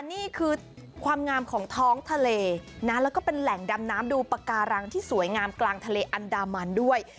นี่คือความงามของท้องทะเลนะแล้วก็เป็นแหล่งดำน้ำดูปากการังที่สวยงามกลางทะเลอันดามันด้วย